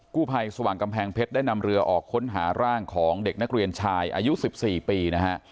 กู้ภัยสว่างกำแพงเพชรได้นำเรือออกค้นหาร่างของเด็กนักเรียนชายอายุ๑๔ปีนะฮะ